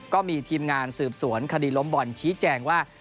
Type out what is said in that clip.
ก็มีทีมงานสืบสวนคดีล้มบอลชี้แจงว่า